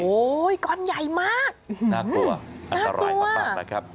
โอ้ยกรณ์ใหญ่มากน่ากลัวน่ากลัวอันตรายประปะนะครับ